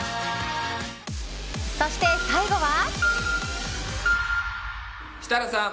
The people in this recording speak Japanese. そして最後は。